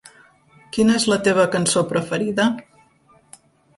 Quina és la teva cançó preferida?